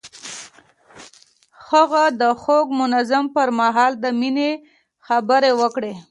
هغه د خوږ منظر پر مهال د مینې خبرې وکړې.